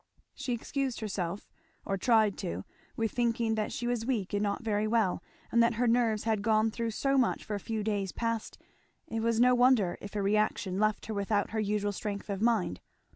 She excused herself, or tried to, with thinking that she was weak and not very well, and that her nerves had gone through so much for a few days past it was no wonder if a reaction left her without her usual strength of mind.